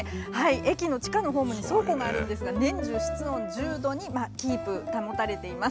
駅の地下のホームに倉庫があるんですが年中室温１０度にキープ保たれています。